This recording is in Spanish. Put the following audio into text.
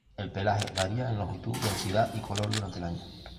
El pelaje varía en longitud, densidad y color durante el año.